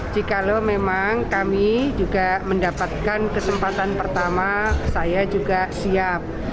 jikalau memang kami juga mendapatkan kesempatan pertama saya juga siap